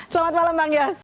selamat malam bang yus